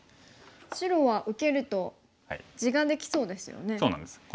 白は受けると地ができそうですよね。